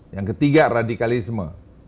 yang ketiga radikalisme